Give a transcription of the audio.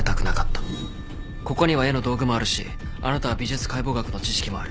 ここには絵の道具もあるしあなたは美術解剖学の知識もある。